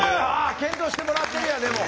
検討してもらってるやんでも。